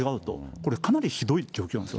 これ、かなりひどい状況なんです。